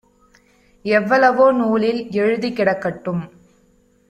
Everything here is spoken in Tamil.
எவ்வளவோ நூலில் எழுதிக் கிடக்கட்டும்.